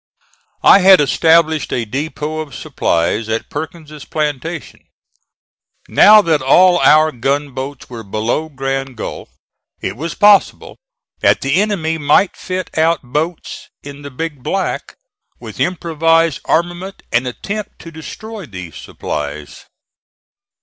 I had established a depot of supplies at Perkins' plantation. Now that all our gunboats were below Grand Gulf it was possible that the enemy might fit out boats in the Big Black with improvised armament and attempt to destroy these supplies.